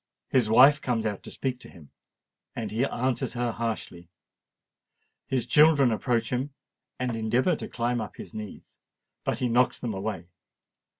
His wife comes out to speak to him—and he answers her harshly: his children approach him, and endeavour to climb up his knees—but he knocks them away.